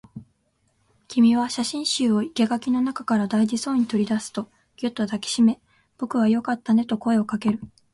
君は写真集を生垣の中から大事そうに取り出すと、ぎゅっと抱きしめ、僕はよかったねと声をかける